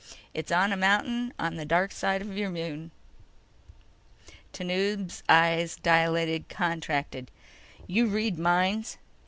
It's on a mountain on the darkside of your moon." Tanub's eyes dilated, contracted. "You read minds?"